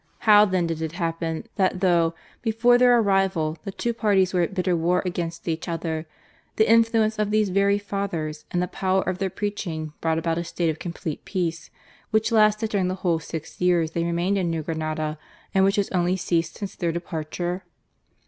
How then did it happen that though, before their arrival, the two parties were at bitter war against each other, the influence of these very Fathers and the power of their preaching brought about a state of complete peace, which lasted during the whole six years they remained in New Grenada, and which has only ceased since their departure